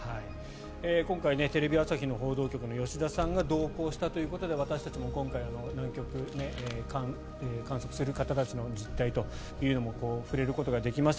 今回テレビ朝日の報道局の吉田さんが同行したということで私たちも南極観測する方たちの実態というのにも触れることができました。